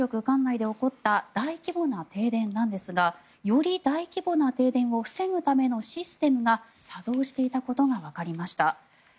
管内で起こった大規模な停電なんですがより大規模な停電を防ぐためのシステムが作動していたことがわかりました。